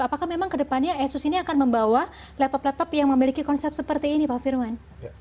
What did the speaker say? apakah memang kedepannya asus ini akan membawa laptop laptop yang memiliki konsep seperti ini pak firman